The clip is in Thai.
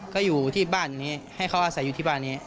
ก็อยู่ที่บ้านนี้ให้เขาอาศัยอยู่ที่บ้านนี้